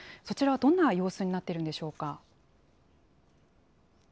そちらはどんな様子になっているんでしょうか。